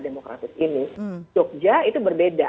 demokratis ini jogja itu berbeda